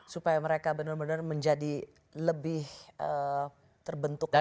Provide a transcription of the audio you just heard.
supaya mereka bener bener menjadi lebih terbentuk lagi